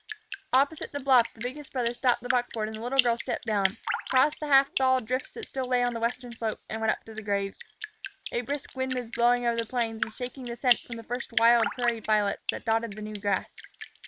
Opposite the bluff the biggest brother stopped the buckboard and the little girl stepped down, crossed the half thawed drifts that still lay on the western slope, and went up to the graves. A brisk wind was blowing over the plains and shaking the scent from the first wild prairie violets that dotted the new grass.